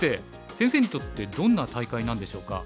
先生にとってどんな大会なんでしょうか？